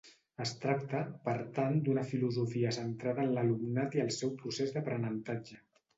Es tracta, per tant d’una filosofia centrada en l’alumnat i en el seu procés d’aprenentatge.